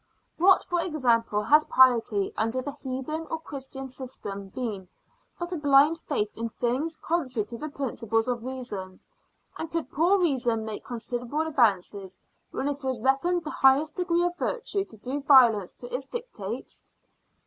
What, for example, has piety, under the heathen or Christian system, been, but a blind faith in things contrary to the principles of reason? And could poor reason make considerable advances when it was reckoned the highest degree of virtue to do violence to its dictates?